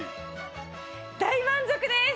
大満足です！